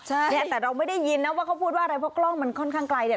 ใช่เนี่ยแต่เราไม่ได้ยินนะว่าเขาพูดว่าอะไรเพราะกล้องมันค่อนข้างไกลเนี่ย